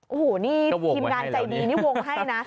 โอ้โหนี่ทีมงานใจดีนี่วงให้นะ